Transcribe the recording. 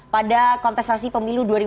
pada kontestasi pemilu dua ribu dua puluh